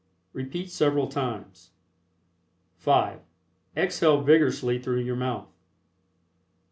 Repeat several times. (5) Exhale vigorously through your mouth.